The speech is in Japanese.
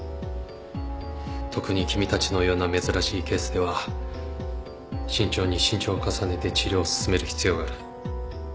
特に君たちのような珍しいケースでは慎重に慎重を重ねて治療を進める必要がある。